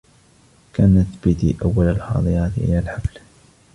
كانت بتي أول الحاضرات إلى الحفلة.